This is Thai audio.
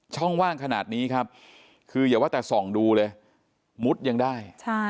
ช่องว่างขนาดนี้ครับคืออย่าว่าแต่ส่องดูเลยมุดยังได้